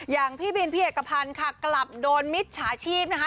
อย่างพี่บินพี่เอกพันธ์ค่ะกลับโดนมิจฉาชีพนะคะ